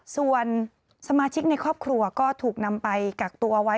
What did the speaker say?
ส่วนสมาชิกในครอบครัวก็ถูกนำไปกักตัวไว้